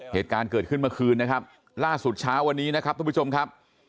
เหตุการณ์เกิดขึ้นเมื่อคืนนะครับล่าสุดเช้าวันนี้นะครับทุกผู้ชมครับ